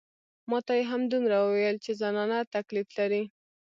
ما ته يې همدومره وويل چې زنانه تکليف لري.